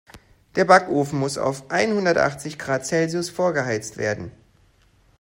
Der Backofen muss auf einhundertachzig Grad Celsius vorgeheizt werden.